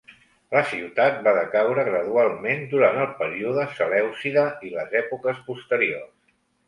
La ciutat va decaure gradualment durant el període selèucida i les èpoques posteriors.